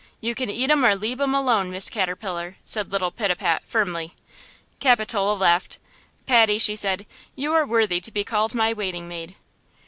You can eat um or leab um alone, Miss Caterpillar!" said little Pitapat, firmly. Capitola laughed. "Patty " she said, "you are worthy to be called my waiting maid!"